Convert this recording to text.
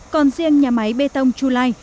còn riêng nhà máy bê tông chu lai